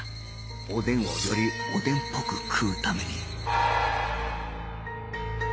おでんをよりおでんっぽく食うために